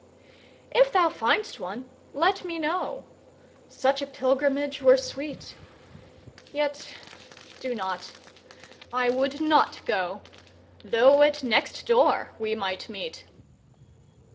If thou find'st one, let me know; Such a pilgrimage were sweet. 20 Yet do not; I would not go, Though at next door we might meet.